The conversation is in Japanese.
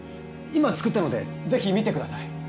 今作ったのでぜひ見てください。